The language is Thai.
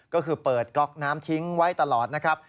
ก็คือเปิดก๊อกน้ำทิ้งไว้ตลอดนะครับ